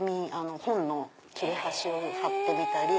本の切れ端を貼ってみたり。